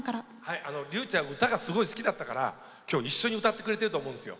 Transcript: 竜ちゃん歌がすごい好きだったから一緒に歌ってくれてると思うんですよ。